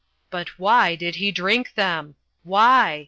"But why did he drink them? _Why?